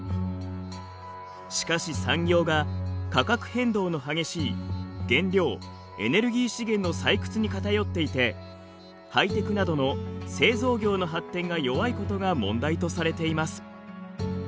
しかし産業が価格変動の激しい原料エネルギー資源の採掘に偏っていてハイテクなどの製造業の発展が弱いことが問題とされています。